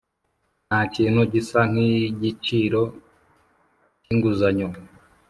ntakintu gisa nkigiciro cyinguzanyo